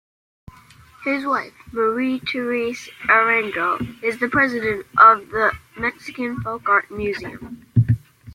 His wife, Marie-Therese Arango, is the president of the Mexican Folk Art Museum.